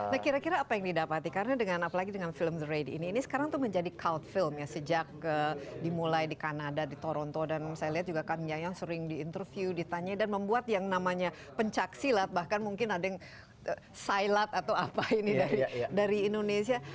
nah kira kira apa yang didapati karena dengan apalagi dengan film the raid ini ini sekarang tuh menjadi cout film ya sejak dimulai di kanada di toronto dan saya lihat juga kang yayang sering diinterview ditanya dan membuat yang namanya pencaksilat bahkan mungkin ada yang silat atau apa ini dari indonesia